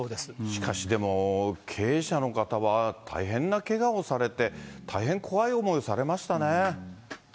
しかしでも、経営者の方は大変なけがをされて、大変怖い思いされましたね。